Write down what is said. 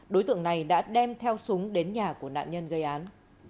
đối tượng này đã đem theo súng đến nhà của nạn nhân gây án